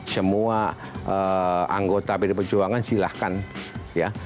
semua anggota pdi perjuangan silahkan ya